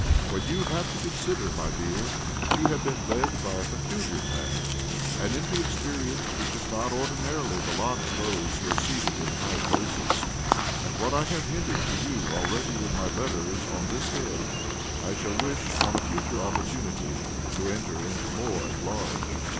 For you have to consider, my dear, that you have been led by a peculiar path, and into experience which is not ordinarily the lot of those who are seated in high places, and what I have hinted to you already in my letters on this head, I shall wish on a future opportunity to enter into more at large."